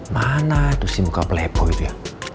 mana itu si muka pelepo gitu ya